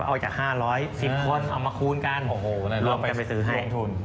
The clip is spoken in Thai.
เอาจาก๕๐๐สิบคนเอามาคูณกันรวมกันไปซื้อให้